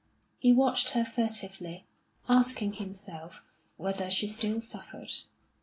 He watched her furtively, asking himself whether she still suffered.